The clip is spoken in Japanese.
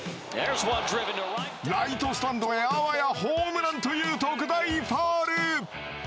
ライトスタンドへあわやホームランという特大ファウル。